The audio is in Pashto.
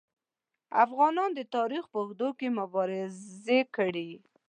افغانانو د خپل تاریخ په اوږدو کې مبارزې کړي.